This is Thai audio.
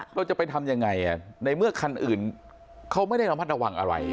เราจะไปทำยังไงในเมื่อคันอื่นเขาไม่ได้ระมัดระวังอะไร